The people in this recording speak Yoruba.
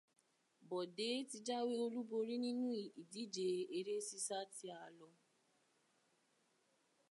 Bọ̀dé ti jáwé olúborí nínú ìdíje eré sísá tí a lọ.